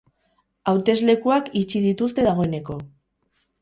Hauteslekuak itxi dituzte dagoeneko.